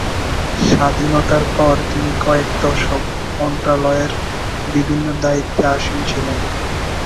স্বাধীনতার পর তিনি কয়েক দশক মন্ত্রণালয়ের বিভিন্ন দায়িত্বে আসীন ছিলেন।